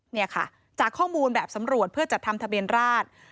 เนี่ยค่ะจากข้อมูลแบบสำรวจเพื่อจัดทำทะเบียนราช